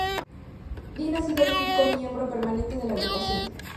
Lynch ha sido el único miembro permanente de la agrupación.